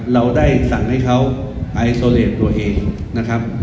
เราได้สั่งให้เขาไอโซเลมตัวเอง